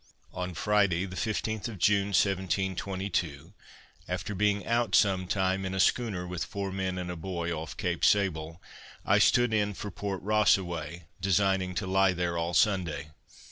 On Friday the 15th of June 1722, after being out some time in a schooner with four men and a boy, off Cape Sable, I stood in for Port Rossaway, designing to lie there all Sunday.